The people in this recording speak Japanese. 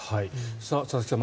佐々木さん